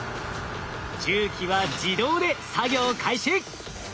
重機は自動で作業開始。